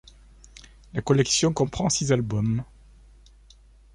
La collection comprend six albums.